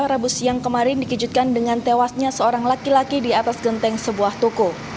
rabu siang kemarin dikejutkan dengan tewasnya seorang laki laki di atas genteng sebuah toko